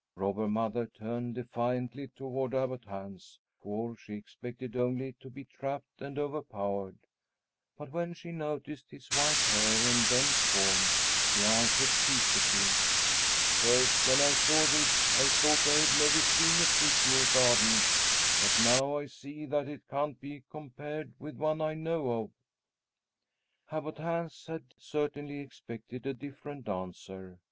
Robber Mother turned defiantly toward Abbot Hans, for she expected only to be trapped and overpowered. But when she noticed his white hair and bent form, she answered peaceably, "First, when I saw this, I thought I had never seen a prettier garden; but now I see that it can't be compared with one I know of." Abbot Hans had certainly expected a different answer.